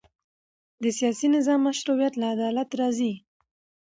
د سیاسي نظام مشروعیت له عدالت راځي